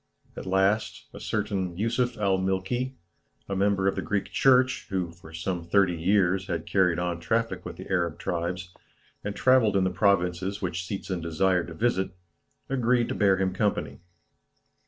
At last, a certain Yusuf al Milky, a member of the Greek church, who, for some thirty years, had carried on traffic with the Arab tribes, and travelled in the provinces which Seetzen desired to visit, agreed to bear him company.